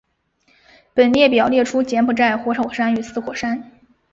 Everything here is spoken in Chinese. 本列表列出柬埔寨的活火山与死火山。